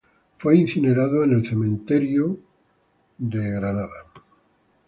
Fue incinerado en el cementerio Hollywood Hills de Los Ángeles.